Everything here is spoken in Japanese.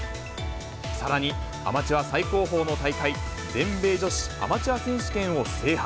さらに、アマチュア最高峰の大会、全米女子アマチュア選手権を制覇。